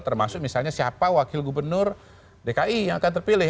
termasuk misalnya siapa wakil gubernur dki yang akan terpilih